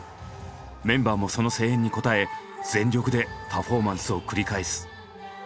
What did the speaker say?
メンバーもその声援に応え全力でパフォーマンスを繰り返す。